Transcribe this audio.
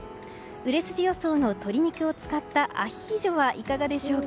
売れ筋予想の鶏肉を使ったアヒージョはいかがでしょうか。